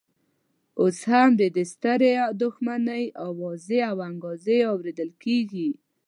اوس هم د دې سترې دښمنۍ اوازې او انګازې اورېدل کېږي.